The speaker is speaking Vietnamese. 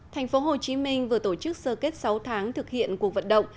thành phố hồ chí minh vừa tổ chức sơ kết sáu tháng thực hiện cuộc vận động